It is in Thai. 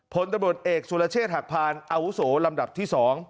ผลตำรวจเอกสุรเชษฐหักพานอาวุโสลำดับที่๒